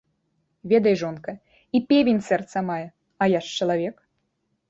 Ведай, жонка, і певень сэрца мае, а я ж чалавек.